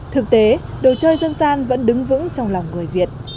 thực tế đồ chơi dân gian vẫn đứng vững trong lòng người việt